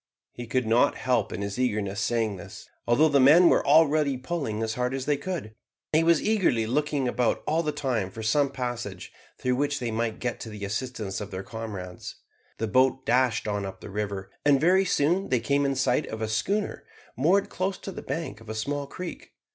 He could not help in his eagerness saying this, although the men were already pulling as hard as they could. He was eagerly looking about all the time for some passage through which they might get to the assistance of their comrades. The boat dashed on up the river, and very soon they came in sight of a schooner moored close to the bank of a small creek.